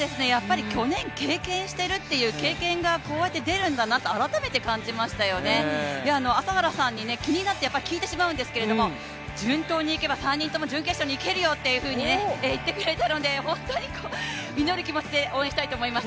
去年経験しているという経験がこうやって出るんだなと改めて感じましたよね、朝原さんに気になって聞いてしまうんですが順当に行けば３人とも準決勝にいけるよと言ってくれているので本当に祈る気持ちで応援したいと思います。